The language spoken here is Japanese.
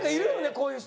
こういう人。